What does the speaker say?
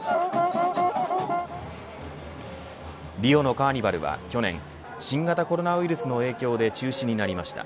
リオのカーニバルは去年新型コロナウイルスの影響で中止になりました。